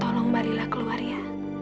tolong barilah keluar ya